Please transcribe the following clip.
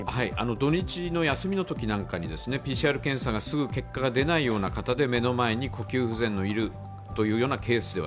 土日の休みのときなんかにＰＣＲ検査がすぐ結果が出ないような方で目の前に呼吸不全の方がいるケースでは